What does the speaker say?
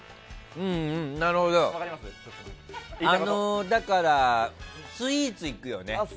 なるほどだからスイーツにいくよね